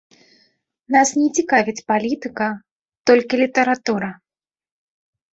Нас не цікавіць палітыка, толькі літаратура.